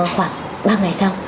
khoảng ba ngày sau